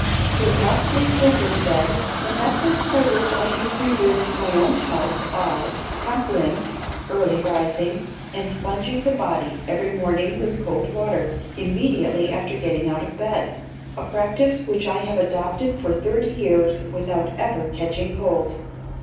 Sir Astley Cooper said, "The methods by which I have preserved my own health are temperance, early rising, and sponging the body every morning with cold water, immediately after getting out of bed, a practice which I have adopted for thirty years without ever catching cold."